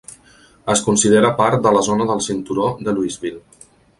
Es considera part de la zona del cinturó de Louisville.